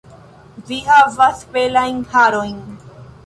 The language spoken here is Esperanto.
Vi havas belajn harojn